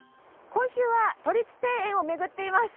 今週は都立庭園を巡っています。